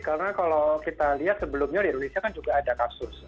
karena kalau kita lihat sebelumnya di indonesia kan juga ada kasus